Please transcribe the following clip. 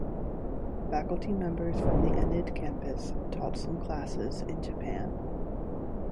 Faculty members from the Enid campus taught some clases in Japan.